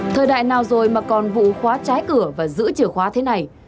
thời đại nào rồi mà còn vụ khóa trái cửa và giữ chìa khóa thế này